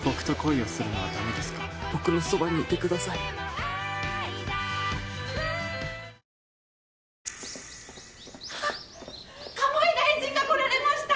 あっ鴨井大臣が来られました。